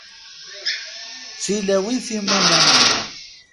D tilawin timunanin.